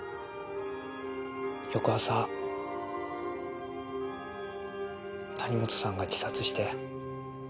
翌朝谷本さんが自殺して。